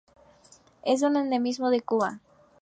Es un endemismo de Cuba.